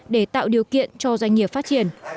để tạo điều kiện cho doanh nghiệp phát triển